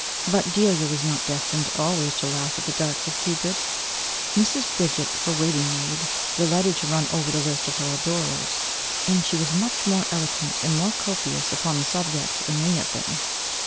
But Delia was not destined always to laugh at the darts of Cupid. Mrs. Bridget her waiting maid, delighted to run over the list of her adorers, and she was much more eloquent and more copious upon the subject than we have been.